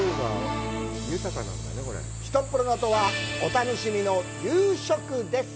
ひとっ風呂のあとはお楽しみの夕食です。